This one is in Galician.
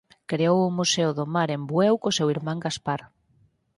Creou o Museo do Mar en Bueu co seu irmán Gaspar.